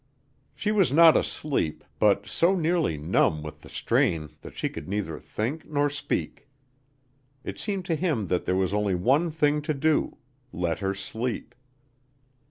She was not asleep, but so nearly numb with the strain that she could neither think nor speak. It seemed to him that there was only one thing to do let her sleep.